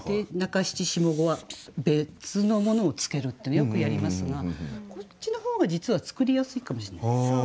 中七下五は別のものをつけるっていうのよくやりますがこっちの方が実は作りやすいかもしれない。